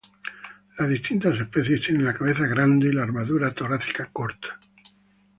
Las distintas especies tienen la cabeza grande y la armadura torácica corta.